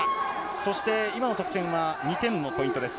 そして今の得点は２点のポイントです。